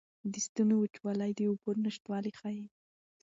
د ستوني وچوالی د اوبو نشتوالی ښيي.